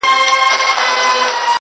ه بيا دي ږغ کي يو عالم غمونه اورم.